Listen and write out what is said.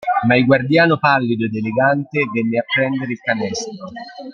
Ma il guardiano pallido ed elegante venne a prendere il canestro.